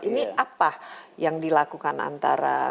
ini apa yang dilakukan antara